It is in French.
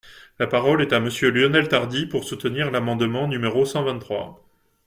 La parole est à Monsieur Lionel Tardy, pour soutenir l’amendement numéro cent vingt-trois.